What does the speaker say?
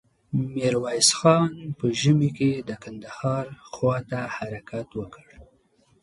ميرويس خان په ژمې کې د کندهار خواته حرکت وکړ.